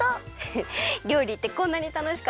りょうりってこんなにたのしかったんだね！